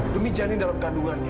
demi janin dalam kandungannya